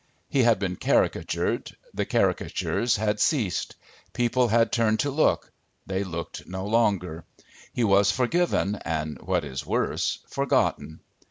He had been caricatured: the caricatures had ceased. People had turned to look: they looked no longer. He was forgiven and, what is worse, forgotten.